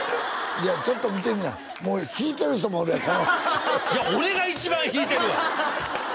いやちょっと見てみなもう引いてる人もおるやんけいや俺が一番引いてるわ！